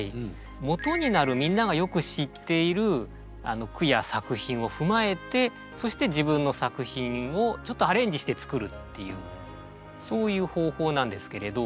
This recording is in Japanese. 元になるみんながよく知っている句や作品を踏まえてそして自分の作品をちょっとアレンジして作るっていうそういう方法なんですけれど。